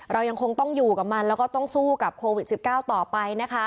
เรายังคงต้องอยู่กับมันแล้วก็ต้องสู้กับโควิด๑๙ต่อไปนะคะ